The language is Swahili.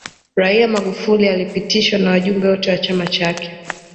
raia magufuli alipitishwa na wajumbe wote wa chama chake